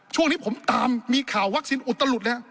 ช่วงนี้ผมตามมีข่าววัคซีนอุตลุดเลย